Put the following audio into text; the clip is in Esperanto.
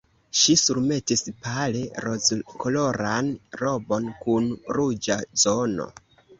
Ŝi surmetis pale rozkoloran robon kun ruĝa zono.